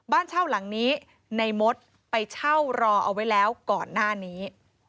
บ้านเช่าหลังนี้ในมดไปเช่ารอเอาไว้แล้วก่อนหน้านี้